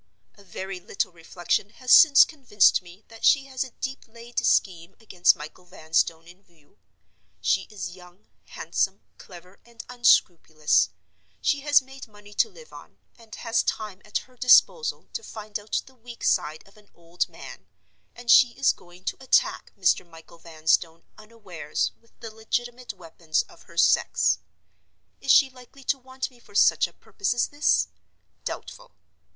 A very little reflection has since convinced me that she has a deep laid scheme against Michael Vanstone in view. She is young, handsome, clever, and unscrupulous; she has made money to live on, and has time at her disposal to find out the weak side of an old man; and she is going to attack Mr. Michael Vanstone unawares with the legitimate weapons of her sex. Is she likely to want me for such a purpose as this? Doubtful.